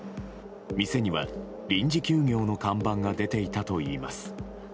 店には臨時休業の看板が出ていたといいます。